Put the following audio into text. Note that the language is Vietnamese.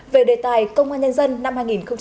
về đề tài công an nhân dân năm hai nghìn một mươi sáu